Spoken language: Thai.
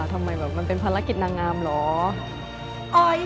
ทำไมแบบมันเป็นภารกิจนางงามเหรอ